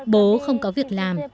bố không có việc làm